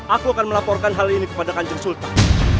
aku akan melaporkan hal ini kepada kanjeng sultan